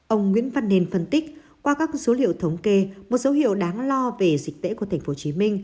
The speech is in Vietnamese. ông nguyễn văn nền phân tích qua các số liệu thống kê một số hiệu đáng lo về dịch tễ của tp hcm